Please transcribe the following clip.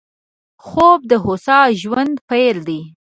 خوب د هوسا ژوند پيل دی